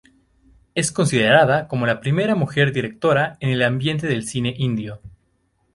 Es considerada como la primera mujer directora en el ambiente del cine indio.